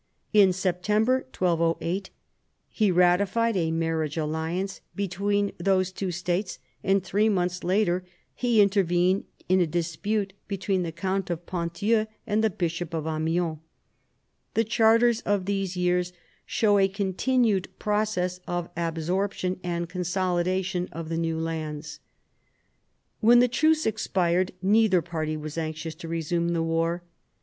In September 1208 he ratified a marriage alliance between those two states, and three months later he intervened in a dispute between the count of Ponthieu and the bishop of Amiens. The charters of these years show a continued process of absorption and consolidation of the new lands. When the truce expired neither party was anxious to resume the war.